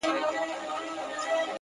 • د وطن په قدر مساپر ښه پوهېږي ,